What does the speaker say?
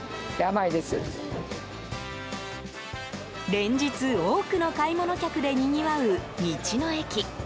連日、多くの買い物客でにぎわう道の駅。